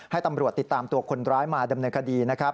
ให้ตำรวจติดตามตัวคนร้ายมาดำเนินคดีนะครับ